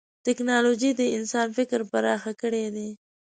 ټکنالوجي د انسان فکر پراخ کړی دی.